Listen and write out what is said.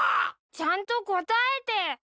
ちゃんと答えて！